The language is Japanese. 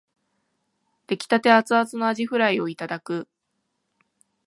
出来立てアツアツのあじフライをいただく